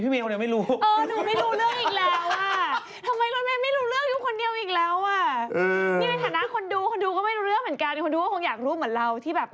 พัทรจ้าชาว่า